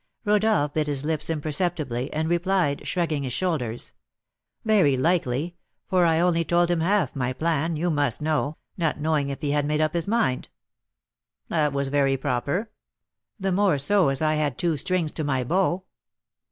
Rodolph bit his lips imperceptibly, and replied, shrugging his shoulders: "Very likely; for I only told him half my plan, you must know, not knowing if he had made up his mind." "That was very proper." "The more so as I had two strings to my bow."